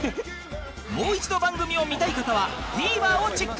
もう一度番組を見たい方は ＴＶｅｒ をチェック